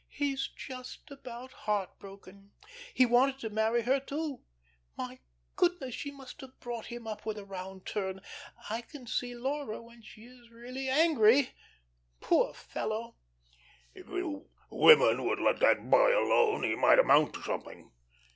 "He's just about heart broken. He wanted to marry her too. My goodness, she must have brought him up with a round turn. I can see Laura when she is really angry. Poor fellow!" "If you women would let that boy alone, he might amount to something."